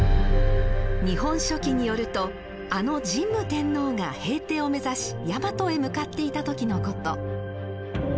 「日本書紀」によるとあの神武天皇が平定を目指しやまとへ向かっていた時のこと。